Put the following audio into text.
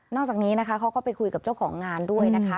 จากนี้นะคะเขาก็ไปคุยกับเจ้าของงานด้วยนะคะ